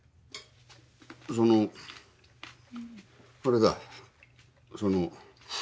そのあれだその。